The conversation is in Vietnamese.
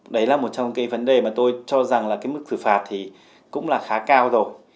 đấy là một trong cái vấn đề mà tôi cho rằng là cái mức xử phạt thì cũng là khá cao rồi